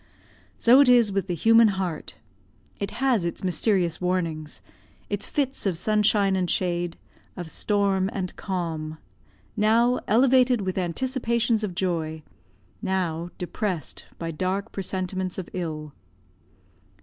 So it is with the human heart it has its mysterious warnings, its fits of sunshine and shade, of storm and calm, now elevated with anticipations of joy, now depressed by dark presentiments of ill.